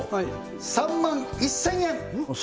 ３万１０００円はい